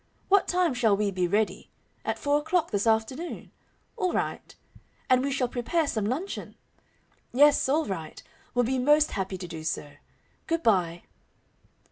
What time shall we be ready at four o'clock this afternoon? All right. And we shall prepare some luncheon? Yes, all right, we'll be most happy to do so. Good bye."